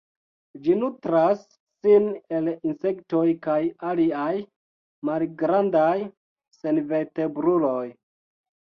Ĝi nutras sin el insektoj kaj aliaj malgrandaj senvertebruloj.